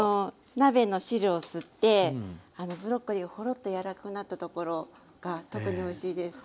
鍋の汁を吸ってブロッコリーがホロッと柔らかくなったところが特においしいです。